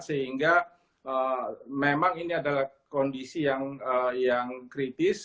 sehingga memang ini adalah kondisi yang kritis